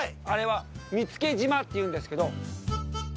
あれは見附島っていうんですけど。